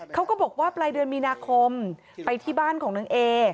เขาก็บอกว่าปลายเดือนมีนาคมไปที่บ้านของน้องเอ